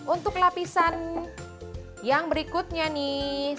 untuk lapisan yang berikutnya nih